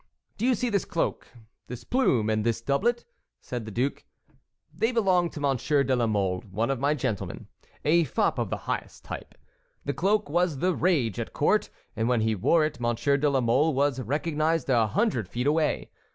"Do you see this cloak, this plume, and this doublet?" said the duke; "they belong to Monsieur de la Mole, one of my gentlemen, a fop of the highest type. The cloak was the rage at court, and when he wore it, Monsieur de la Mole was recognized a hundred feet away.